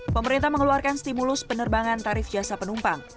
pemerintah mengeluarkan stimulus penerbangan tarif jasa penumpang